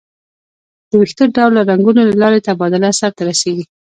د ویښته ډوله رګونو له لارې تبادله سر ته رسېږي.